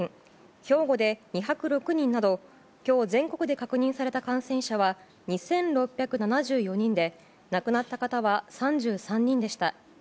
兵庫で２０６人など今日、全国で確認された感染者は２６７４人で亡くなった方は３３人でした。